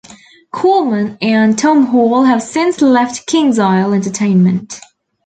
Coleman and Tom Hall have since left KingsIsle Entertainment.